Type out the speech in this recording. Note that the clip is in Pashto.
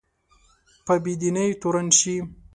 په بې دینۍ تورن شي